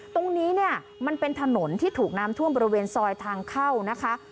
ตรงนี้เนี่ยมันเป็นถนนที่ถูกน้ำท่วมบริเวณซอยทางเข้านะคะ